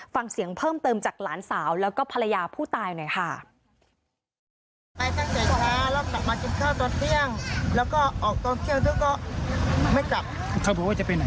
ฟังเสียงเพิ่มเติมจากหลานสาวแล้วก็ภรรยาผู้ตายหน่อยค่ะ